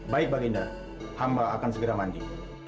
baik baginda hamba akan segera mandi